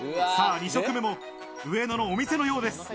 ２食目も上野のお店のようです。